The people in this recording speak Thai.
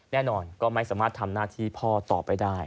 แน่นอนก็ไม่สามารถทำหน้าที่พ่อต่อไปได้